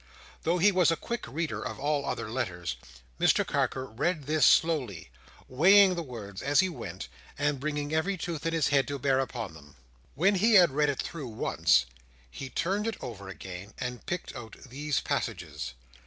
Though he was a quick reader of all other letters, Mr Carker read this slowly; weighing the words as he went, and bringing every tooth in his head to bear upon them. When he had read it through once, he turned it over again, and picked out these passages.